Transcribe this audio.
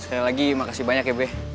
sekali lagi makasih banyak ya be